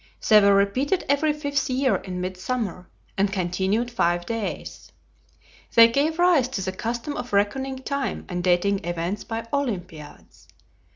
They were repeated every fifth year in mid summer, and continued five days. They gave rise to the custom of reckoning time and dating events by Olympiads.